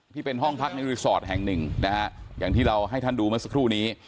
ที่เป็นห้องพักในรีสอร์ทแห่งหนึ่งนะฮะอย่างที่เราให้ท่านดูเมื่อสักครู่นี้